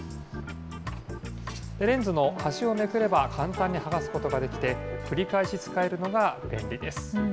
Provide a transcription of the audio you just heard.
レンズの端をめくれば簡単に剥がすことができて、繰り返し使えるのが便利です。